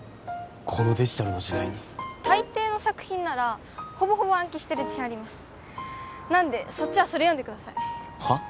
このデジタルの時代に大抵の作品ならほぼほぼ暗記してる自信ありますなんでそっちはそれ読んでくださいはっ？